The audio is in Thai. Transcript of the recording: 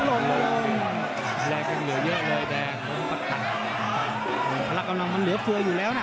แรงยังเหลือเยอะเลยแดงพละกำลังมันเหลือเฟืออยู่แล้วน่ะ